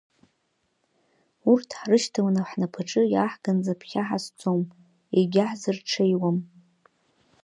Урҭ ҳрышьҭаланы ҳнапаҿы иааҳгаанӡа ԥхьа ҳазцом, егьаҳзырҽеиуам.